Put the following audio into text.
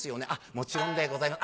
「もちろんでございます」